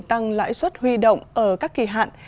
tăng lãi suất huy động ở các kỳ hạn